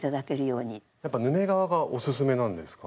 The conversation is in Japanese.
やっぱヌメ革がおすすめなんですか？